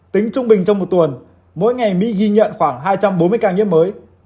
tính trung bình trong một tuần mỗi ngày mỹ ghi nhận khoảng hai trăm bốn mươi ca nhiễm mới